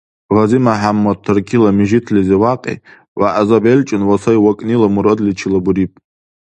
Гъази-МяхӀяммад Таркила мижитлизи вякьи, вягӀза белчӀун ва сай вакӀнила мурадличила буриб.